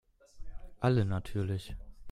Alle natürlich.